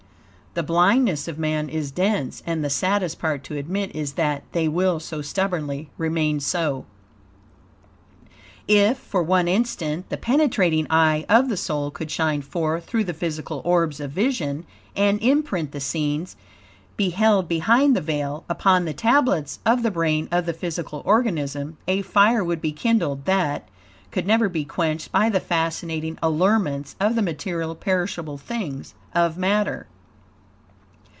The blindness of man is dense, and the saddest part to admit is that, they will so stubbornly remain so. If, for one instant, the penetrating eye of the soul could shine forth through the physical orbs of vision, and imprint the scenes, beheld behind the veil, upon the tablets of the brain of the physical organism, a fire would be kindled that, could never be quenched by the fascinating allurements of the material, perishable things, of matter.